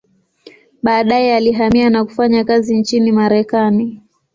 Baadaye alihamia na kufanya kazi nchini Marekani.